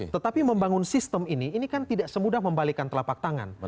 tetapi membangun sistem ini ini kan tidak semudah membalikan telapak tangan